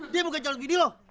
dia bukan calon bintik lo